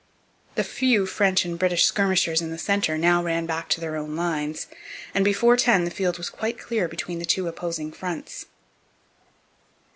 The few French and British skirmishers in the centre now ran back to their own lines; and before ten the field was quite clear between the two opposing fronts.